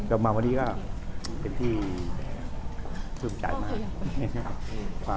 กลับมาวันนี้ก็เป็นที่ทุ่มใจมาก